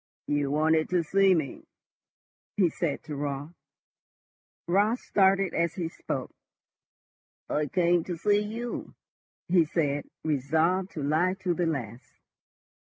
"You wanted to see me?" he said to Raut. Raut started as he spoke. "I came to see you," he said, resolved to lie to the last.